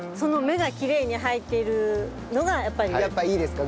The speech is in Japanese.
やっぱいいですか？